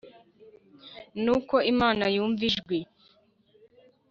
Nuko Imana yumva ijwi